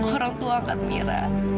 orang tua angkat mira